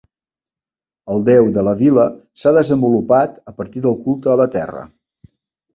El Déu de la Vila s'ha desenvolupat a partir del culte a la terra.